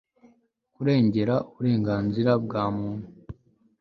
kurengera uburenganzira bwa muntu